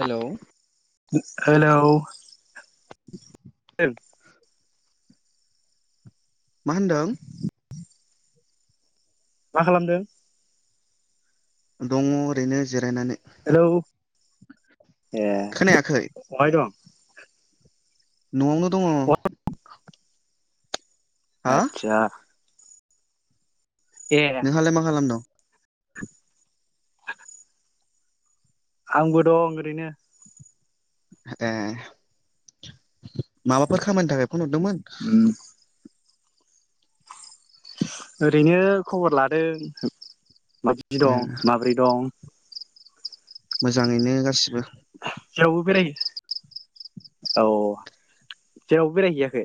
Hello hello मा होन्दों? मा खालामदों? दङ ओरैनो जेर रायनानै हेलौ ए अहाय दं? नआवनो दङ हा आतसा नोंहाय मा खालामदं [inaudible] आंबो दं ओरैनो ए माबाफोर खामानि थाखाय फनहरदोंमोन। उम ओरैनो खबर लादों। माबदि ए दं माब्रै दं। मोजाङैनो गाससिबो जेरावबो बेराय औ जेरावबो बेरायहैयाखै?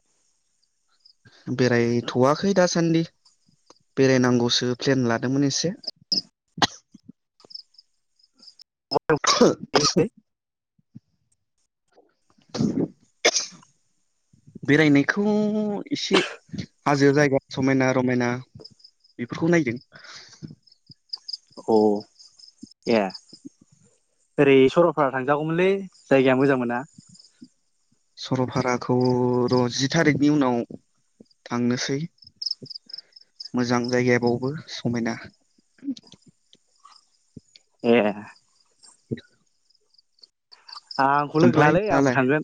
बेरायथ'वाखै दासान्दि बेरायनांगौसो प्लेन लादोंमोन एसे [unintelligible] बेरायनायखौ एसे हाजो जायगा समायना रमायना बेफोरखौ नायदों औ ए ओरै सरलपारा थांजागौमोनलै जायगाया मोजां मोना सरलपाराखौ र' जि थारिखनि उनाव थांनोसै मोजां जायगायाबावबो समायना ए [inaudible] आंखौ लोगो ओमफ्राय लालै आंबो नोंहालाय थांगोन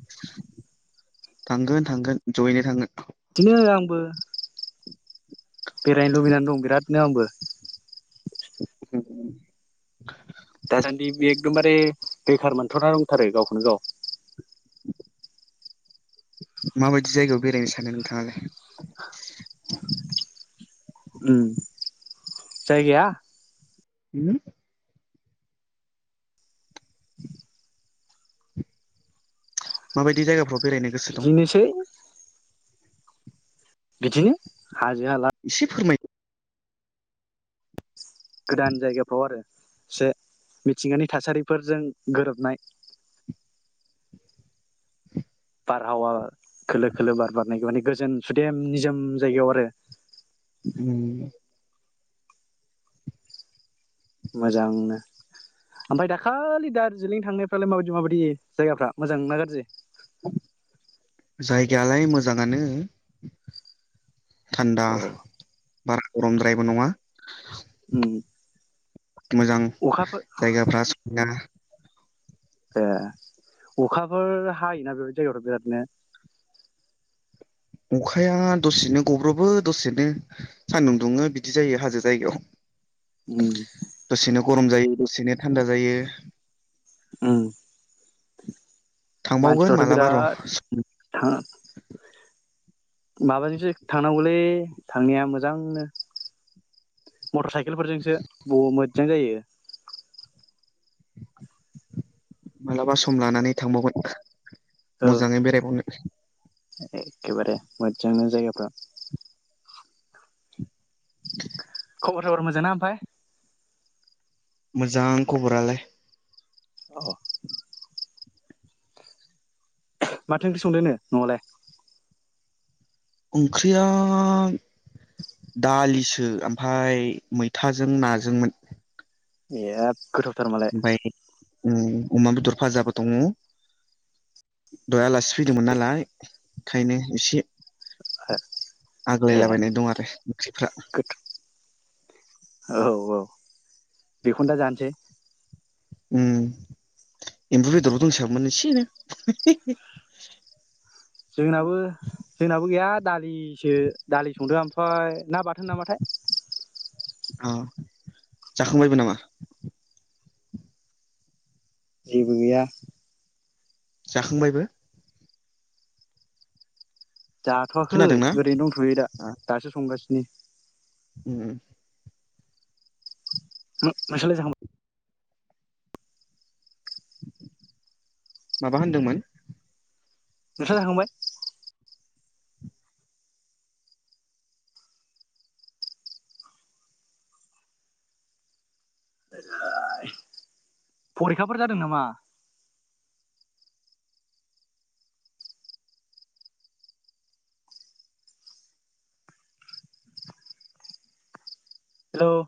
थांगोन थांगोन जयैनो थांगोन। बिथिंनो आंबो बेरायनो लुबैनानै दं बिरादनो आंबो [inaudible] दासान्दि बे एखदमबारे बेखार मोनथ'ना दंथारो गावखौनो गाव माबायदि जायगायाव बेरायनो सानो नोंथाङालाय? उम जायगाया होम माबायदि जायगाफ्रा बेरायनो गोसो दं। बिदिनोसै बिदिनो हाजो हाला एसे फोरमायद गोदान जायगाफ्राव आरो एसे मिथिंगानि थासारिफोरजों गोरोबनाय बारहावा खोलो खोलो बार बारनायखौ माने गोजोन सुदेम निजोम जायगायाव आरो उम मोजांनो ओमफ्राय दाखालि दार्जिलिं थांनायफ्रालाय माबायदि माबायदि जायगाफ्रा मोजां ना गाज्रि? जायगायालाय मोजाङानो थान्दा अ बारा गरमद्रायबो नङा। उम मोजां अखाफोर जायगाफ्रा समायनानो ए अखाफोर हायोना बे जायगायावथ बिरादनो अखाया दसेनो गब्रबो दसेनो सानदुं दुङो बिदि जायो हाजो जायगायाव। उं। दसेनो गरम जायो दसेनो थानदा जायो। उम थांबावगोन मानसिफ्राथ' मालाब र। बिराद थां माबाजोंसो थांनांगौलै थांनाया मोजांनो मटर साइकेलफोरजोंसो ब मोजां जायो। मालाबा सम लानानै थांबावगोन। ओ मोजाङै बेरायबावनो एखेबारे मोजांनो जायगाफ्रा। खबर सबर मोजां ना आमफाय? मोजां खौबरालाय। औ माथो ओंख्रि संदोनो न'आव लाय? ओंख्रिया दालिसो आमफाय मैथाजों नाजोंमोन। [unintelligible] गोथाव बायाखै उम अमा बेदर फाजाबो दङ। दहाय आलासि फैदोंमोन नालाय। खायनो एसे हो आग्लायलाबायनाय दं आरो ओंख्रिफ्रा। गोथाव औ औ बेखौनो दा जानोसै। उम एमबु बेदरबो दंसाबोमोन एसेनो। जोंनाबो जोंनाबो गैया दालिसो दालि संदो आमफाय ना बाथोन नामाथाय। अ जाखांबायबो नामा? जेबो गैया। जाखां बायबो? जाथ'वाखै खोनादोंना ओरैनो दंथ'यो दा दासो संगासिनो। [inaudible] उम नोंसालाय जाखांबा माबा होनदोंमोन? नोंस्रा जाखांबाय? फरिखाफोर जादों नामा? हेलौ